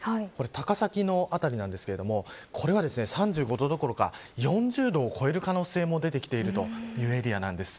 高崎の辺りですが３５度どころか、４０度を超える可能性も出てきているというエリアです。